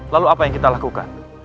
lalu apa yang kita lakukan